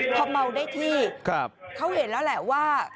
พอเมาได้ที่เขาเห็นแล้วแหละว่า